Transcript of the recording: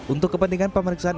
untuk kepentingan pemeriksaan